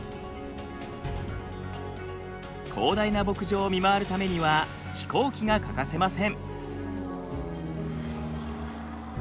広大な牧場を見回るためには飛行機が欠かせません。